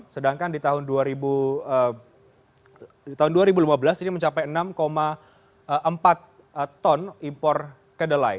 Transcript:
sedangkan di tahun dua ribu lima belas ini mencapai enam empat ton impor kedelai